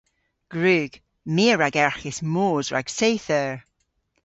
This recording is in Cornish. Gwrug. My a ragerghis moos rag seyth eur.